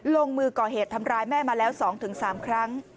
ลงมือก่อเหตุทำร้ายแม่มาแล้ว๒๓ครั้ง